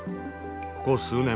ここ数年